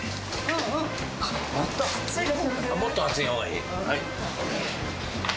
うん、もっと厚いほうがいい？